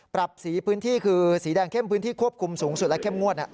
ปรับสีพื้นที่คือสีแดงเข้มพื้นที่ควบคุมสูงสุดและเข้มงวด